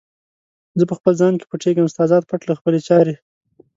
زه په خپل ځان کې پټیږم، ستا ذات پټ له خپلي چارې